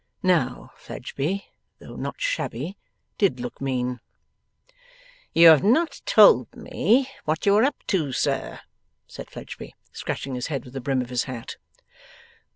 Now, Fledgeby, though not shabby, did look mean. 'You have not told me what you were up to, you sir,' said Fledgeby, scratching his head with the brim of his hat.